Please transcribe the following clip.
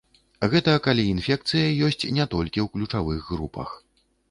Гэта калі інфекцыя ёсць не толькі ў ключавых групах.